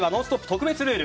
特別ルール。